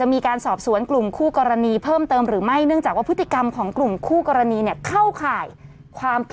วันนี้บาร์สค่ะวันนี้คนดูกันเยอะ